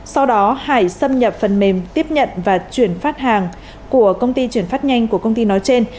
sau đó hải xâm nhập phần mềm tiếp nhận và chuyển phát hàng của công ty chuyển phát nhanh của công ty nói trên